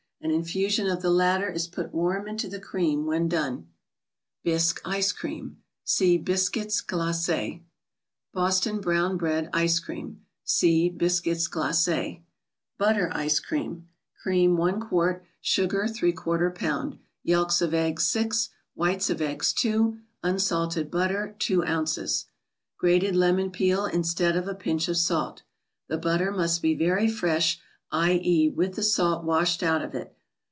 An infusion of the latter is put warm into the cream when done. Btssque 3!ce*Crcam. (See Biscuits Glace's.) Boston Brotrni Bread 91ce=Cream. (See Biscuits Glace's.) Butter Slc^Cream. Cream, 1 qt. Sugar, H lb. Yelks of eggs. 6; Whites of eggs. 2; Unsalted butter. 2 oz. Grated lemon peel instead of a pinch of salt. The but¬ ter must be very fresh, i. e., with the salt washed out of it.